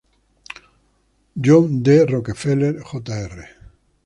John D. Rockefeller Jr.